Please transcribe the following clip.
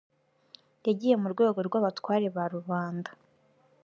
yagiye mu rwego rw’abatware ba rubanda.